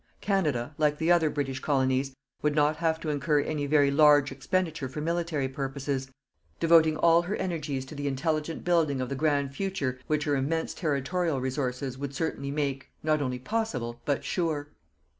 Canada, like the other British Colonies, would not have to incur any very large expenditure for military purposes, devoting all her energies to the intelligent building of the grand future which her immense territorial resources would certainly make, not only possible, but sure.